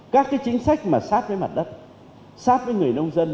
các cái chính sách mà sát với mặt đất sát với người nông dân